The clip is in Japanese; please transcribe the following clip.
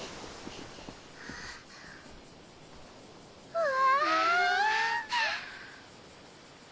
うわ！